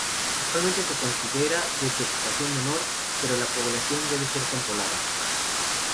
Actualmente se considera de Preocupación Menor, pero la población debe ser controlada.